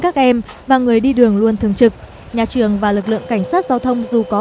các em và người đi đường luôn thường trực nhà trường và lực lượng cảnh sát giao thông dù có